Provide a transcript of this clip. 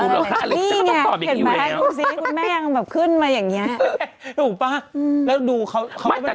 เห็นไหมคุณแม่ยังขึ้นมาอย่างนี้